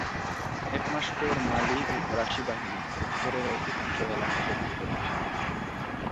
এক মাস পর, মালি ও ফরাসি বাহিনী উত্তরের অধিকাংশ এলাকা দখল করে নেয়।